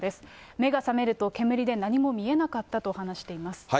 目が覚めると煙で何も見えなかったと話しています。